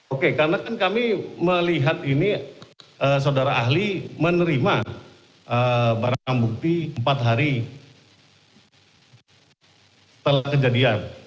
oke karena kan kami melihat ini saudara ahli menerima barang bukti empat hari setelah kejadian